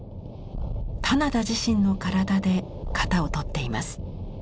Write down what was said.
棚田自身の体で型をとっています。